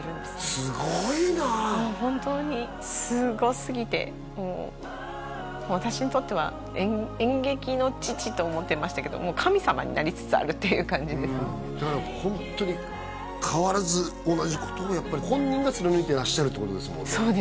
すごいなもう本当にすごすぎてもう私にとっては演劇の父と思ってましたけどもう神様になりつつあるっていう感じですねだからホントに変わらず同じことをやっぱり本人が貫いてらっしゃるってことですもんね